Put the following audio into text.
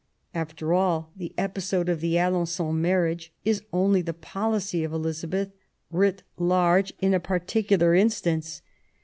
After all, the episode of the Alen9on marriage is only the policy of Elizabeth, writ large in a particular instance.